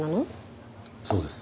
そうです。